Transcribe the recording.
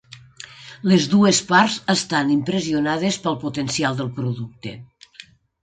Les dues parts estan impressionades pel potencial del producte.